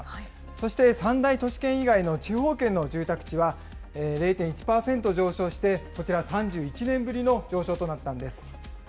そして、三大都市圏以外の地方圏の住宅地は、０．１％上昇して、こちら、３１年ぶりの上昇となったんです。